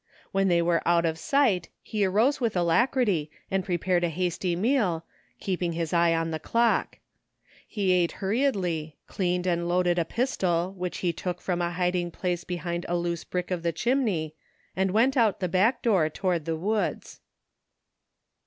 When they were out of sight he arose with alacrity and prepared a hasty meal, keeping his eye on the dock. He ate hurriedly, cleaned and loaded a pistol 175 THE FINDING OF JASPER HOLT which he took from a hiding place behind a loose brick of the chimney, and went out the back door toward the woods.